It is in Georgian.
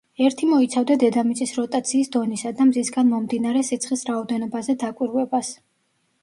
ერთი მოიცავდა დედამიწის როტაციის დონისა და მზისგან მომდინარე სიცხის რაოდენობაზე დაკვირვებას.